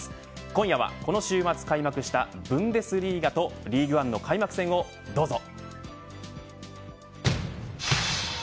今夜は、この週末開幕したブンデスリーガとリーグアンの開幕戦をどうぞ。